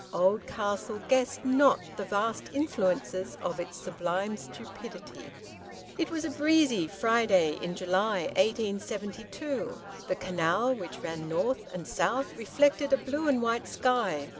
Oldcastle guessed not the vast influences of its sublime stupidity. It was a breezy Friday in July 1872. The canal, which ran north and south, reflected a blue and white sky.